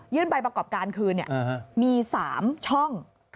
ยื่นไปประกอบการคืนเนี่ยมี๓ช่อง